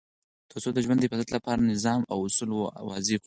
تر څو د ژوند د حفاظت لپاره نظام او اصول وضع کړو.